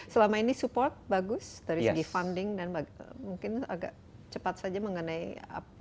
selama ini support bagus dari segi funding dan mungkin agak cepat saja mengenai apa